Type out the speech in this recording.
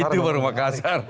itu baru makassar